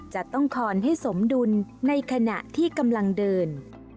จะต้องคอนให้สมดุลในขณะที่กำลังเดิน